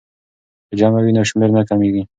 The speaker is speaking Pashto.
که جمع وي نو شمېر نه کمیږي.